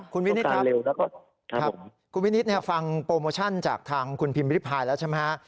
คุณวินิศครับแล้วก็ครับครับคุณวินิศเนี้ยฟังโปรโมชั่นจากทางคุณพิมพ์วิทธิพายแล้วใช่ไหมฮะ